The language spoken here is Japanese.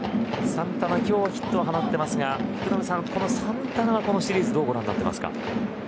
サンタナ、今日はヒットを放っていますがこのサンタナは、このシリーズどうご覧になってますか。